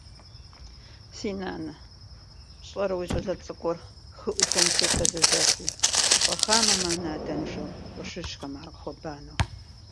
Слово предоставляется Его Превосходительству Генеральному секретарю.